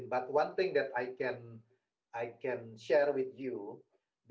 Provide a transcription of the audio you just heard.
tapi satu hal yang bisa saya bagikan dengan anda